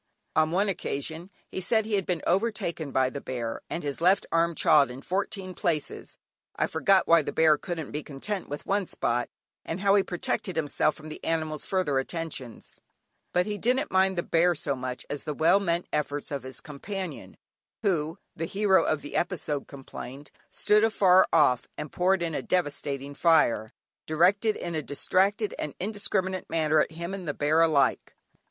On one occasion, he said he had been overtaken by the bear, and his left arm chawed in fourteen places (I forget why the bear couldn't be content with one spot and how he protected himself from the animal's further attentions); but he didn't mind the bear so much as the well meant efforts of his companion, who, the hero of the episode complained, stood afar off and poured in a devastating fire, directed in a distracted and indiscriminate manner at him and the bear alike.